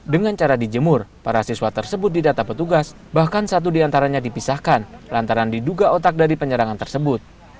dengan cara dijemur para siswa tersebut didata petugas bahkan satu diantaranya dipisahkan lantaran diduga otak dari penyerangan tersebut